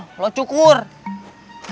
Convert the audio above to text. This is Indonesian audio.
ayo semuanya cukur sekarang aja